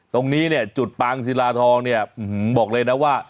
ตรงนี้เนี่ยจุดปางศิลาทองเนี่ยบอกเลยนะว่า